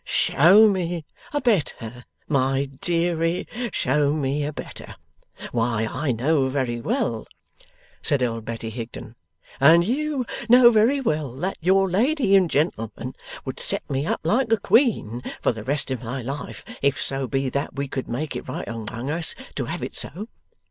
'Show me a better! My deary, show me a better! Why, I know very well,' said old Betty Higden, 'and you know very well, that your lady and gentleman would set me up like a queen for the rest of my life, if so be that we could make it right among us to have it so.